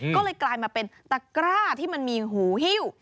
ก็เลยกลายมาเป็นตะกร้าที่มันมีหูหิ้ว